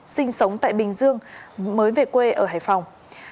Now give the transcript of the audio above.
sinh sống tại bình dương mới về quê ở hải phòng